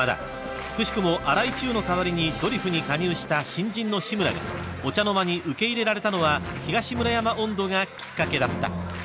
［くしくも荒井注の代わりにドリフに加入した新人の志村がお茶の間に受け入れられたのは『東村山音頭』がきっかけだった］